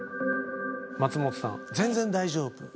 松本さん「全然大丈夫」。